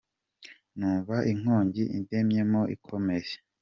Numva inkongi indemyemo ikomeye